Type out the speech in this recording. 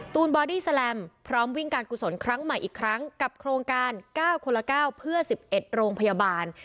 บอดี้แลมพร้อมวิ่งการกุศลครั้งใหม่อีกครั้งกับโครงการ๙คนละ๙เพื่อ๑๑โรงพยาบาล